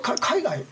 海外？